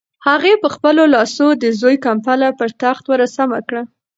هغې په خپلو لاسو د زوی کمپله پر تخت ورسمه کړه.